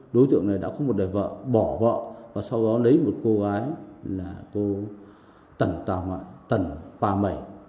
đối tượng này đã có một đời vợ bỏ vợ và sau đó lấy một cô gái là cô tần pà mẩy